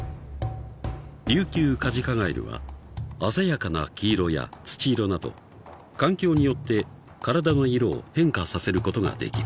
［リュウキュウカジカガエルは鮮やかな黄色や土色など環境によって体の色を変化させることができる］